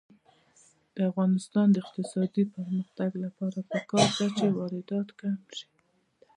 د افغانستان د اقتصادي پرمختګ لپاره پکار ده چې واردات کم شي.